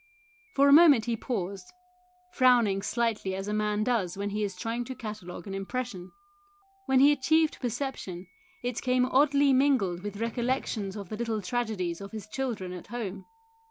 For a moment he paused, frowning slightly as a man does when he is trying to catalogue an impression. When he achieved perception, it came oddly mingled with recollections of the little tragedies of his children at home.